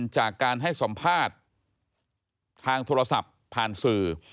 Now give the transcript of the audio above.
จากการให้สัมภาษณ์ทางโทรศัพท์ผ่านสื่อ